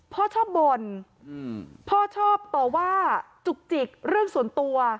พ่อชอบบ่นพ่อชอบต่อว่าจุกจิกเรื่องส่วนตัว